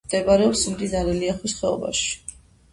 მდებარეობს მდინარე ლიახვის ხეობაში.